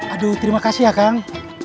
aduh terima kasih ya kang